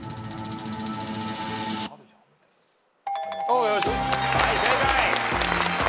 はい正解。